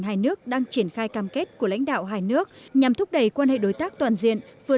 hai nước đang triển khai cam kết của lãnh đạo hai nước nhằm thúc đẩy quan hệ đối tác toàn diện vừa